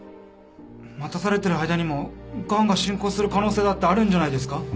待たされてる間にもがんが進行する可能性だってあるんじゃないですか？